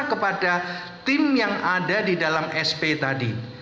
kepada tim yang ada di dalam sp tadi